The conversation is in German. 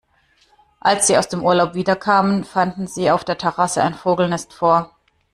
Als sie aus dem Urlaub wiederkamen, fanden sie auf der Terrasse ein Vogelnest vor.